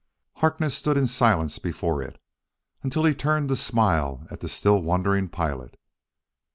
Harkness stood in silence before it, until he turned to smile at the still wondering pilot.